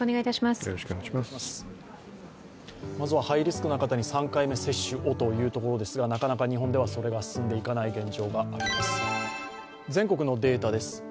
まずはハイリスクな方に３回目接種をというところですがなかなか日本ではそれが進んでいかない現状があります。